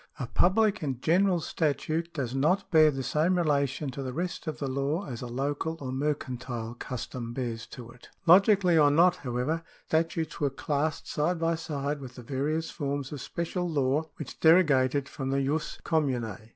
A public and general statute does not bear the same relation to the rest of the law as a local or mercantile custom bears to it. Logically or not, however, statutes were classed side by side with the various forms of special law which derogated from the jus com mtine.